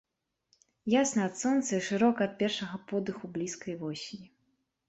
Ясна ад сонца і шырока ад першага подыху блізкай восені.